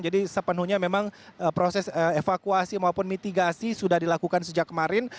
jadi sepenuhnya memang proses evakuasi maupun mitigasi sudah dilakukan sejak kemarin